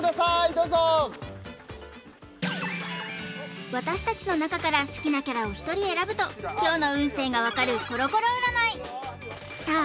どうぞ私たちの中から好きなキャラを１人選ぶと今日の運勢が分かるコロコロ占いさあ